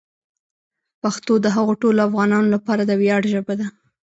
پښتو د هغو ټولو افغانانو لپاره د ویاړ ژبه ده.